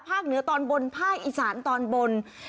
เหนือตอนบนภาคอีสานตอนบน